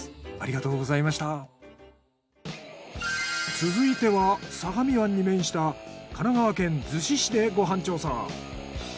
続いては相模湾に面した神奈川県逗子市でご飯調査。